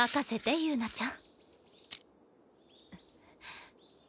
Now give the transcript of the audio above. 友奈ちゃん